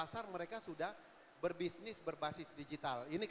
dan mereka sudah menggunakan produk